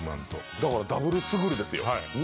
だからダブルスグルですよ。